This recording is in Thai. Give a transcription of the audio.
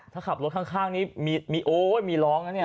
ถ้าขับรถข้างนี้มีโอ๊ยมีร้องนะเนี่ย